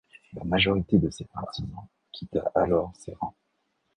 La majorité de ses partisans quitta alors ses rangs.